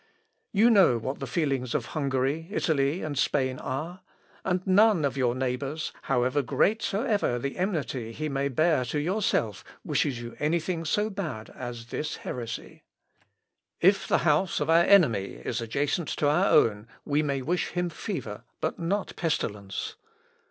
You know what the feelings of Hungary, Italy, and Spain are, and none of your neighbours, how great soever the enmity he may bear to yourself, wishes you any thing so bad as this heresy. If the house of our enemy is adjacent to our own we may wish him fever, but not pestilence....